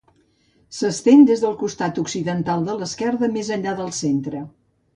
S'estén des del costat occidental de l'esquerda, més enllà del centre.